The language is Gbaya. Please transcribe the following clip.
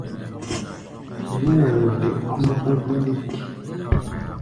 Nú-walde ɔ́ mɔ́ká gbilik.